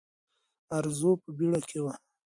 ارزو په بیړه کې وه.